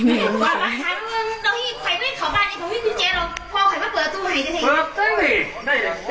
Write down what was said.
นี่ควันอีกแล้ว